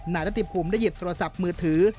นายรัติภูมิได้หยิบโทรศัพท์มือถือ